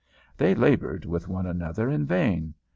They labored with one another in vain.